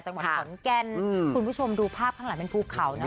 จังหวัดขอนแก่นคุณผู้ชมดูภาพข้างหลังเป็นภูเขานะ